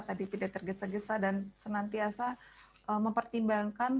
tadi tidak tergesa gesa dan senantiasa mempertimbangkan